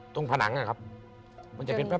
ผนังนะครับมันจะเป็นแป๊